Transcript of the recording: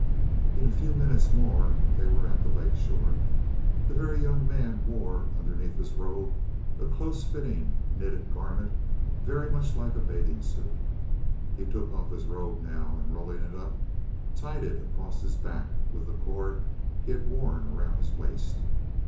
In a few minutes more they were at the lake shore. The Very Young Man wore, underneath his robe, a close fitting knitted garment very much like a bathing suit. He took off his robe now, and rolling it up, tied it across his back with the cord he had worn around his waist.